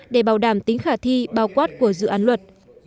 để bảo đảm tính khả thi bao quát của dự án luật